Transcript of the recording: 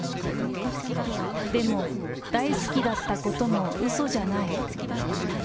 でも、大好きだったこともうそじゃない。